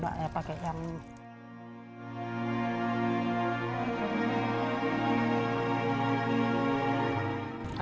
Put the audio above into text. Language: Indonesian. rasanya pun enak pakai ini daripada pakai mesin